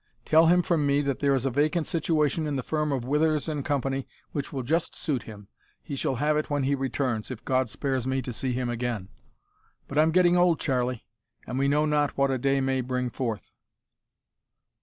Tell him from me that there is a vacant situation in the firm of Withers and Company which will just suit him. He shall have it when he returns if God spares me to see him again. But I'm getting old, Charlie, and we know not what a day may bring forth."